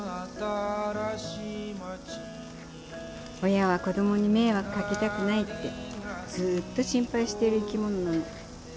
親は子供に迷惑掛けたくないってずっと心配している生き物なの。